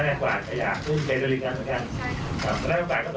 แรกหวาดก็สำคัญนะ